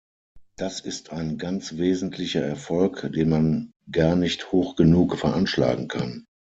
Das ist ein ganz wesentlicher Erfolg, den man gar nicht hoch genug veranschlagen kann.